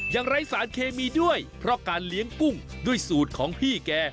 ไร้สารเคมีด้วยเพราะการเลี้ยงกุ้งด้วยสูตรของพี่แก